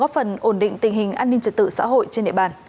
hình án ninh trật tự xã hội trên địa bàn